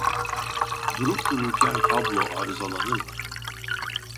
Durup dururken kablo arızalanır mı